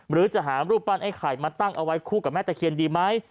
หรือจะหารูปปั้นไอ้ไข่มาตั้งเอาไว้คู่กับแม่ตะเคียนดีไหม